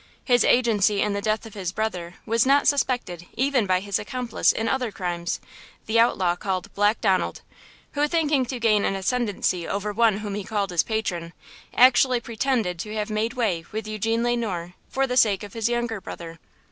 His agency in the death of his brother was not suspected even by his accomplice in other crimes, the outlaw called Black Donald, who, thinking to gain an ascendancy over one whom he called his patron, actually pretended to have made way with Eugene Le Noir for the sake of his younger brother.